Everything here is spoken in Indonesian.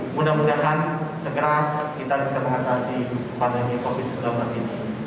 mudah mudahan segera kita bisa mengatasi pandemi covid sembilan belas ini